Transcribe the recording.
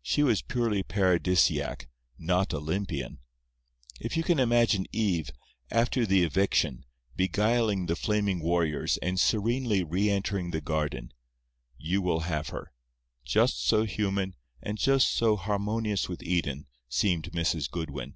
She was purely Paradisaic, not Olympian. If you can imagine Eve, after the eviction, beguiling the flaming warriors and serenely re entering the Garden, you will have her. Just so human, and still so harmonious with Eden seemed Mrs. Goodwin.